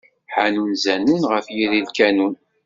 Ḥanun zanun, ɣef yiri n lkanun.